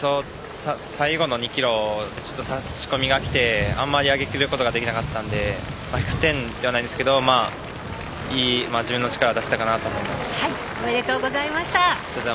最後の２ｋｍがちょっと差し込みがきてあまり上げ切ることができなかったので１００点ではないですけどいい自分の力を出せたかなとおめでとうございました。